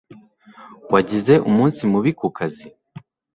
Wagize umunsi mubi ku kazi?